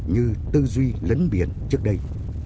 như tư duy lấn biển trước đây